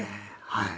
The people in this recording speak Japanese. はい。